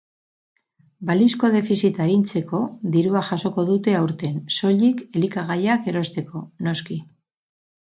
Balizko defizita arintzeko dirua jasoko dute aurten, soilik elikagaiak erosteko, noski.